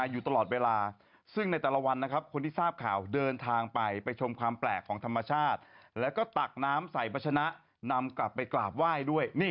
อยู่ตลอดเวลาซึ่งในแต่ละวันนะครับคนที่ทราบข่าวเดินทางไปไปชมความแปลกของธรรมชาติแล้วก็ตักน้ำใส่พัชนะนำกลับไปกราบไหว้ด้วย